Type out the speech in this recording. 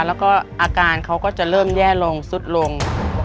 แล้วก็อาการเขาก็จะเริ่มแย่ลงสุดลง